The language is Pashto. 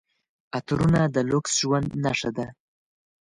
عطرونه د لوکس ژوند نښه ده.